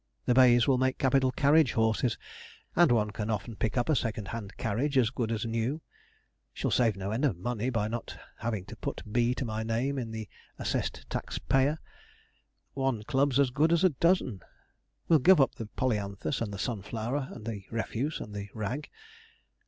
The bays will make capital carriage horses, and one can often pick up a second hand carriage as good as new. Shall save no end of money by not having to put "B" to my name in the assessed tax payer. One club's as good as a dozen will give up the Polyanthus and the Sunflower, and the Refuse and the Rag.